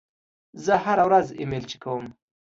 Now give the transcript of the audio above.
زه هره ورځ ایمیل چک کوم.